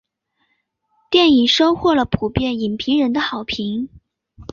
电影收获了普遍影评人的好评。